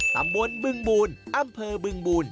ตำบลบึงบูลอำเภอบึงบูล